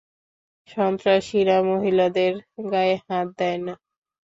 সন্ত্রাসীরা মহিলাদের গায়ে হাত দেয় না।